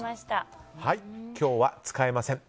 今日は使えません。